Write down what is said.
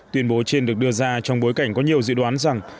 tuyên bố trên được đưa ra trong bối cảnh có nhiều dự đoán rằng